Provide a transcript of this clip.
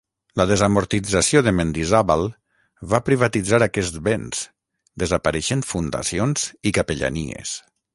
La desamortització de Mendizábal va privatitzar aquests béns, desapareixent fundacions i capellanies.